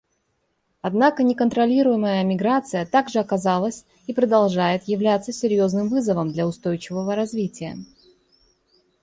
Однако неконтролируемая миграция также оказалась и продолжает являться серьезным вызовом для устойчивого развития.